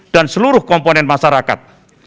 dan seluruh komponen masyarakat